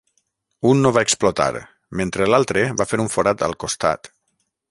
Un no va explotar, mentre l'altre va fer un forat al costat.